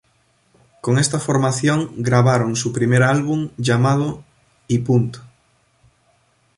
Con esta formación grabaron su primer álbum llamado "Y punto".